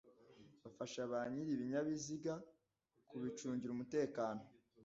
bafasha ba nyiri ibinyabiziga kubicungira umutekano